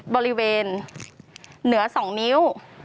บริเวณเหนือ๒นิ้ว